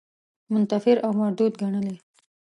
متنفر او مردود ګڼلی.